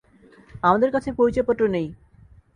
আমাদের কাছে পরিচয়পত্র নেই।